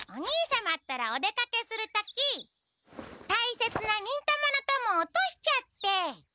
ったらお出かけする時たいせつな「にんたまの友」を落としちゃって。